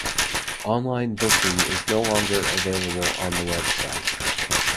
Online booking is no longer available on the website.